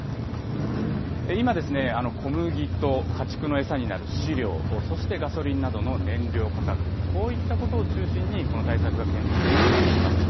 今、小麦と家畜の餌になる飼料、そしてガソリンなどの燃料価格、こういったことを中心にこの対策が検討されています。